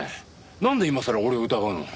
なんで今さら俺を疑うの。